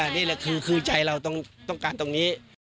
นี่แหละคือใจเราต้องการตรงนี้